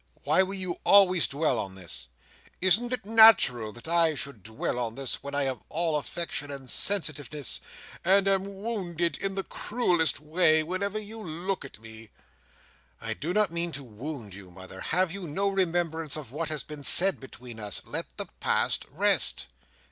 Why will you always dwell on this?" "Isn't it natural that I should dwell on this, when I am all affection and sensitiveness, and am wounded in the cruellest way, whenever you look at me?" "I do not mean to wound you, mother. Have you no remembrance of what has been said between us? Let the Past rest."